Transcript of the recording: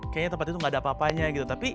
kayaknya tempat itu gak ada apa apanya gitu